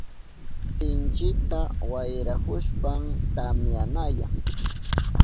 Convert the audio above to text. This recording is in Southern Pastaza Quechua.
Sinchita wayrahushpan tamyanayan.